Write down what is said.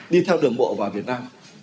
đi theo đường bộ vào việt nam